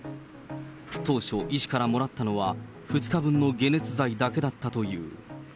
当初、医師からもらったのは２日分の解熱剤だけだったという。